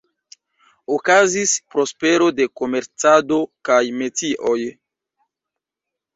Okazis prospero de komercado kaj metioj.